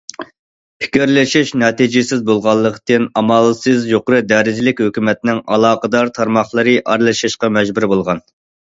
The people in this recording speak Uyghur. پىكىرلىشىش نەتىجىسىز بولغانلىقتىن، ئامالسىز يۇقىرى دەرىجىلىك ھۆكۈمەتنىڭ ئالاقىدار تارماقلىرى ئارىلىشىشقا مەجبۇر بولغان.